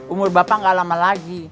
umur bapak gak lama lagi